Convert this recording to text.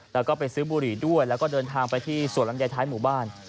แล้วก็ไปซื้อบุหรี่ด้วยแล้วก็เดินทางไปที่สวนลำไยท้ายหมู่บ้าน